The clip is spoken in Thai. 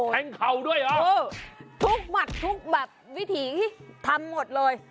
แทงข่าวด้วยหรอเออทุกมัดทุกแบบวิธีที่ทำหมดเลย